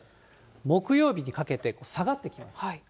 木曜日にかけて、下がってきます。